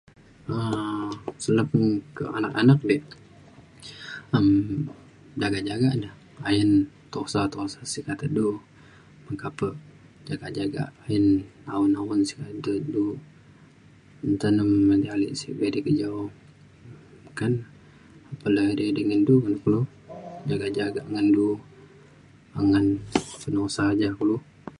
um senep ke anak anak dik um jagak jagak ne ayen tosa tosa sik kata du meka pe jagak jagak ayen awen awen sik kata du nta nem edai alik sik keja o meka ne. apan le edai edai ngan du kulu jagak jagak ngan du ngan penosa ja kulu